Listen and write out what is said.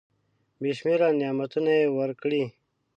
بي شمیره نعمتونه یې ورکړي .